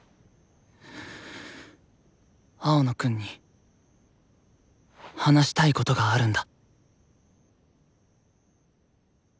青野くんに話したいことがあるんだ。